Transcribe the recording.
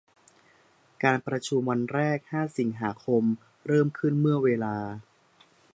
การประชุมวันแรก ห้า สิงหาคม เริ่มขึ้นเมื่อเวลา